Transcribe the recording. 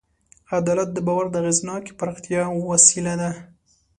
عدالت د باور د اغېزناکې پراختیا وسیله ده.